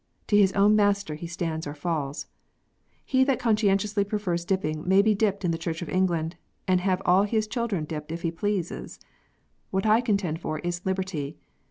To his own Master he stands or falls. He that conscien tiously prefers dipping may be dipped in the Church of England, and have all his children dipped if he pleases. What I contend for is liberty.